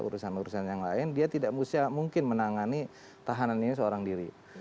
urusan urusan yang lain dia tidak usah mungkin menangani tahanannya seorang diri